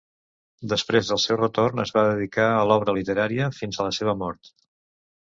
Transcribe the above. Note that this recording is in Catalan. Després del seu retorn, es va dedicar a l'obra literària fins a la seva mort.